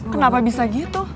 kenapa bisa gitu